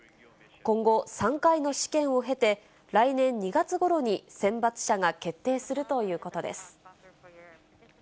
今後、３回の試験を経て、来年２月ごろに選抜者が決定するということです。